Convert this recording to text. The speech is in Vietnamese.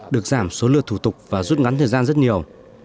được giảm số lượt thủ tục và rút ngắn thời gian rất nhiều